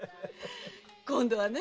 今度はね